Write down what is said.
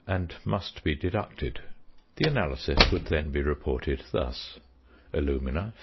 and must be deducted. The analysis would then be reported thus: Alumina 55.